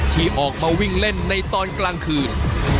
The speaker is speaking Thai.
ที่ออกมาวิ่งเล่นในตอนกลางคืน